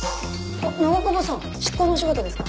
あっ長窪さん！執行のお仕事ですか？